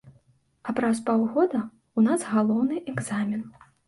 А праз паўгода ў нас галоўны экзамен.